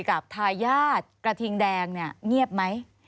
กับทายาทกระทิงแดงเนี่ยเงียบไหม